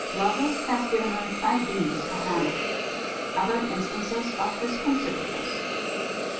Lovelace has given her five guineas for Hannah. Other instances of his considerateness.